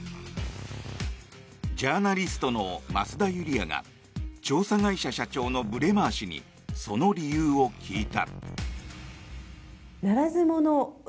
ジャーナリストの増田ユリヤが調査会社社長のブレマー氏にその理由を聞いた。